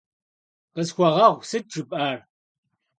Khısxueğueğu, sıt jjıp'ar?